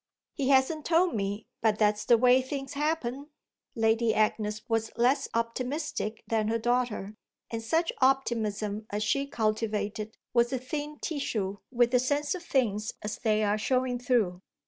"He hasn't told me, but that's the way things happen." Lady Agnes was less optimistic than her daughter, and such optimism as she cultivated was a thin tissue with the sense of things as they are showing through.